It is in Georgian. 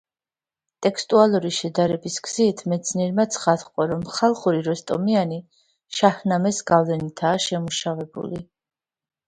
ტექსტუალური შედარების გზით მეცნიერმა ცხადყო, რომ ხალხური „როსტომიანი“ „შაჰნამეს“ გავლენითაა შემუშავებული.